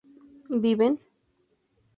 ¿viven?